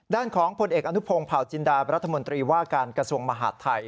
ด้านของผลเอกอนุพงศ์เผาจินดารัฐมนตรีว่าการกระทรวงมหาดไทย